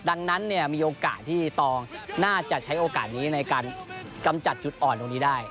ดังนั้นมีโอกาสที่ตองน่าจะใช้โอกาสนี้ในการกำจัดจุดอ่อนตรงนี้ได้